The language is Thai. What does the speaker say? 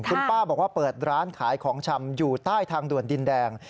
คุณป้าบอกว่าเปิดร้านขายของชำอยู่ใต้ทางด่วนดินแดง